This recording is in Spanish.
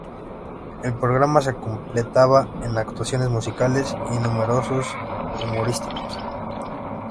El programa se completaba con actuaciones musicales y números humorísticos.